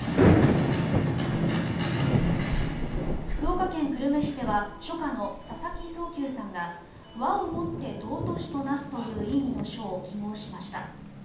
福岡県久留米市では書家の佐々木蒼穹さんが和をもって貴しとなすという意味の書を揮毫しました。